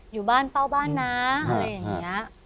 อยู่บ้านเฝ้าบ้านนะอะไรอย่างนี้